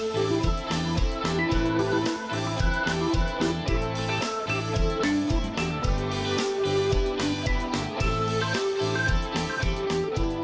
โปรดติดตามตอนต่อไป